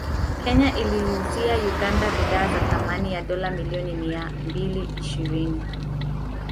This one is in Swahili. Kenya iliiuzia Uganda bidhaa za thamani ya dola milioni mia mbili ishirini